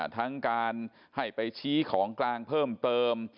ทั้งการให้ไปชี้ของกลางเพิ่มเติม